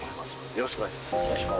よろしくお願いします。